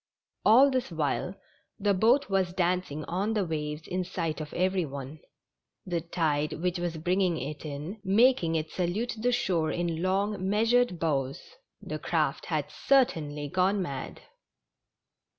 All this while the boat was dancing on the waves in sight of every one; the tide, which was bringing it in, making it salute the shore in long, measured bows — the craft had certainly gone mad.